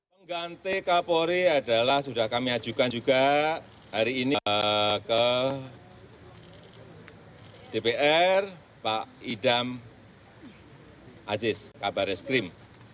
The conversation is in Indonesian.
pengganti kapolri adalah sudah kami ajukan juga hari ini ke dpr pak idam aziz kabar eskrim